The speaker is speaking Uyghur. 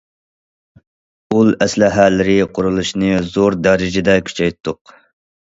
ئۇل ئەسلىھەلىرى قۇرۇلۇشىنى زور دەرىجىدە كۈچەيتتۇق.